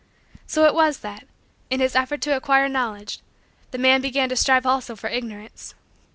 So it was that, in his effort to acquire Knowledge, the man began to strive also for Ignorance.